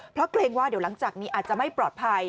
เพราะเกรงว่าเดี๋ยวหลังจากนี้อาจจะไม่ปลอดภัย